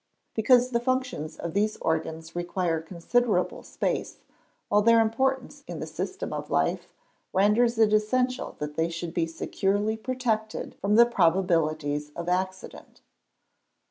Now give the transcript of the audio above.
_ Because the functions of those organs require considerable space, while their importance in the system of life, renders it essential that they should be securely protected from the probabilities of accident.